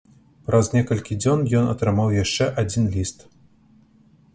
Праз некалькі дзён ён атрымаў яшчэ адзін ліст.